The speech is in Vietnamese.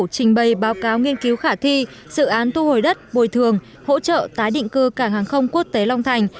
trình bày báo cáo nghiên cứu khả thi dự án thu hồi đất bồi thường hỗ trợ tái định cư cảng hàng không quốc tế long thành